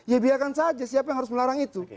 ya biarkan saja siapa yang harus melarang itu